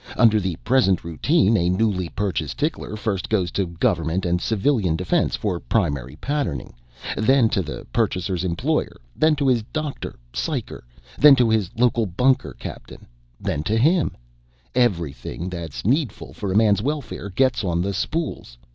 Under the present routine a newly purchased tickler first goes to government and civilian defense for primary patterning, then to the purchaser's employer, then to his doctor psycher, then to his local bunker captain, then to him. Everything that's needful for a man's welfare gets on the spools.